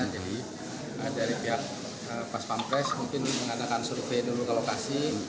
jadi dari pihak pas pampres mungkin mengadakan survei dulu ke lokasi